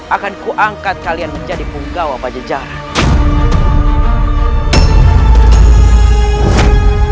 akan kuangkat kalian menjadi penggawa pajajara